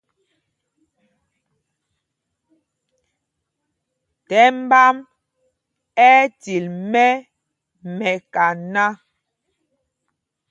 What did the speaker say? Thɛmb ā ɛ́ ɛ́ til mɛ mɛkaná.